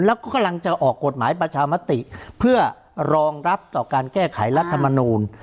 แล้วก็กำลังจะออกกฎหมายประชามติเพื่อรองรับต่อการแก้ไขรัฐมนูล